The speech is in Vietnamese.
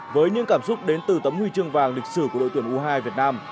với những cảm xúc đến từ tấm huy trương hoàng lịch sử của đội tuyển u hai việt nam